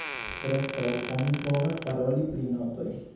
Preskaŭ oni povas paroli pri notoj.